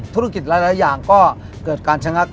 ธุรกิจหลายอย่างก็เกิดการชะงัก